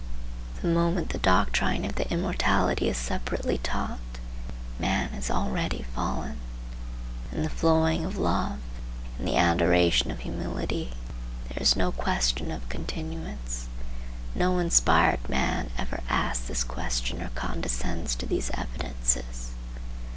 The moment the doctrine of the immortality is separately taught, man is already fallen. In the flowing of love, in the adoration of humility, there is no question of continuance. No inspired man ever asks this question or condescends to these evidences.